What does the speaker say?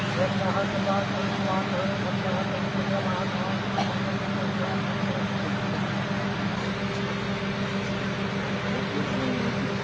สวัสดีครับทุกคน